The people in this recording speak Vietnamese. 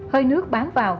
hơi nước bám vào